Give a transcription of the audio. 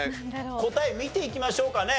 答え見ていきましょうかね。